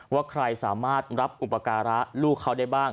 ว่าใครสามารถรับอุปการะลูกเขาได้บ้าง